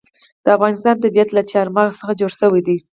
د افغانستان طبیعت له چار مغز څخه جوړ شوی دی.